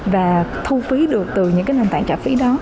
và thu phí được từ những cái nền tảng trả phí đó